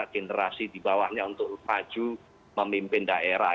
generasi di bawahnya untuk maju memimpin daerah